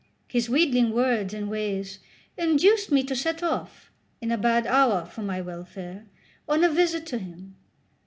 His wheedling words and ways induced me to set off, in a bad hour for my welfare, on a visit to him.